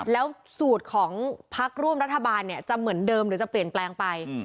แล้วสูตรของพักร่วมรัฐบาลเนี่ยจะเหมือนเดิมหรือจะเปลี่ยนแปลงไป